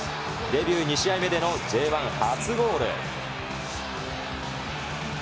デビュー２試合目でのＪ１初ゴール。